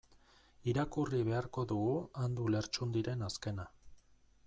Irakurri beharko dugu Andu Lertxundiren azkena.